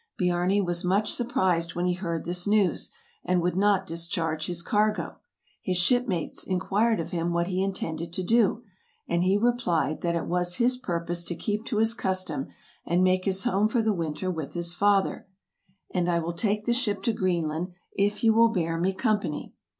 Biarni was much surprised when he heard this news, and would not discharge his cargo. His ship mates inquired of him what he intended to do, and he re plied that it was his purpose to keep to his custom, and make his home for the winter with his father; "and I will take the ship to Greenland, if you will bear me company."